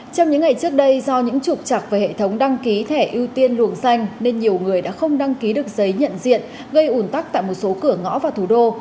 trong những ngày trước đây do những trục chặt về hệ thống đăng ký thẻ ưu tiên luồng xanh nên nhiều người đã không đăng ký được giấy nhận diện gây ủn tắc tại một số cửa ngõ vào thủ đô